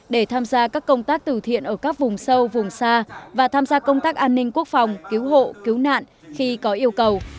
để tham gia các công tác từ thiện ở các vùng sâu vùng xa và tham gia công tác an ninh quốc phòng cứu hộ cứu nạn khi có yêu cầu